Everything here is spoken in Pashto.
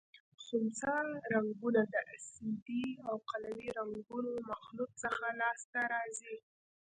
خنثی رنګونه د اسیدي او قلوي رنګونو مخلوط څخه لاس ته راځي.